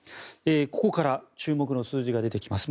ここから注目の数字が出てきます。